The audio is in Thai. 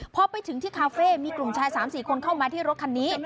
พอไปถึงที่คาเฟ่มีกลุ่มชาย๓๔คนเข้ามาที่รถคันนี้